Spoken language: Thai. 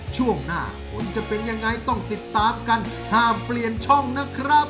ช่วงหน้าคุณจะเป็นยังไงต้องติดตามกันห้ามเปลี่ยนช่องนะครับ